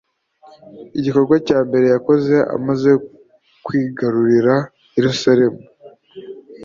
igikorwa cya mbere yakoze amaze kwigarurira yerusalemu